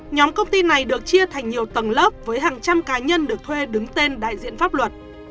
nhóm công ty này được chia thành nhiều tầng lớp với hàng trăm cá nhân được thuê đứng tên đại diện pháp luật